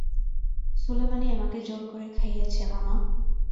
সুলেমানই আমাকে জোর করে খাইয়েছে, মামা।